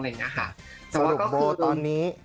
อย่างนี้ค่ะแต่ว่าก็คือ